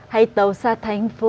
hay tàu xa thành phố